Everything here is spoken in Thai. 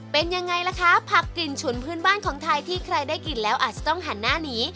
เป็นยังไงล่ะคะผักกลิ่นฉุนพื้นบ้านของไทยที่ใครได้กลิ่นแล้วอาจจะต้องหันหน้าหนี